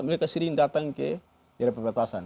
mereka sering datang ke daerah perbatasan